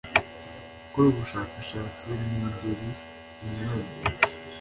gukora ubushakashatsi mu ngeri zinyuranye